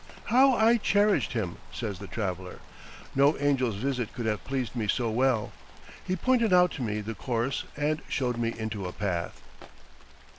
"How I cherished him!" says the traveler. "No angel's visit could have pleased me so well. He pointed out to me the course and showed me into a path."